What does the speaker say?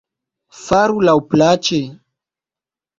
Faru laŭplaĉe!